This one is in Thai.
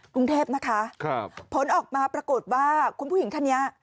กรุงเทพนะคะครับผลออกมาปรากฏว่าคุณผู้หญิงท่านนี้